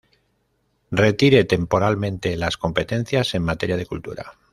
retire temporalmente las competencias en materia de cultura